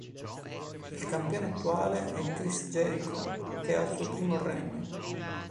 Il campione attuale è Chris Jericho, che è al suo primo regno.